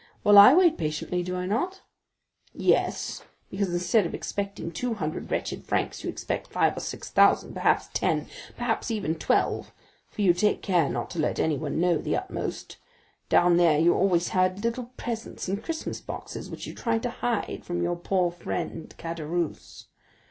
Well, I wait patiently, do I not?" "Yes; because instead of expecting two hundred wretched francs, you expect five or six thousand, perhaps ten, perhaps even twelve, for you take care not to let anyone know the utmost. Down there, you always had little presents and Christmas boxes, which you tried to hide from your poor friend Caderousse.